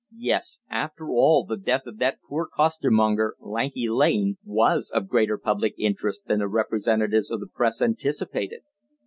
Yes. After all, the death of that poor costermonger, Lanky Lane, was of greater public interest than the representatives of the Press anticipated.